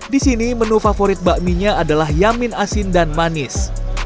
di sini menu favorit bakminya adalah yamin asin dan manis